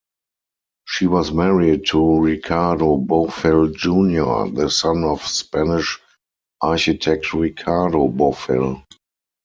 She was married to Ricardo Bofill Junior, the son of Spanish architect Ricardo Bofill.